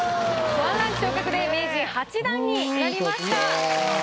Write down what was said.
１ランク昇格で名人８段になりました。